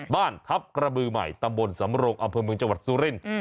บ้านทัพกระบือใหม่ตำบลสำรงอำเภอเมืองจังหวัดสุรินทร์